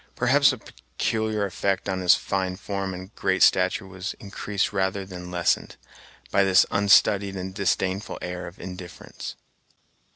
Perhaps the peculiar effect of his fine form and great stature was increased rather than lessened, by this unstudied and disdainful air of indifference.